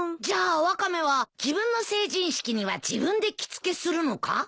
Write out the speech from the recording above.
じゃあワカメは自分の成人式には自分で着付けするのか？